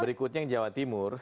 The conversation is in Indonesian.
berikutnya yang jawa timur